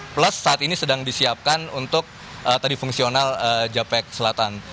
plus saat ini sedang disiapkan untuk tadi fungsional japek selatan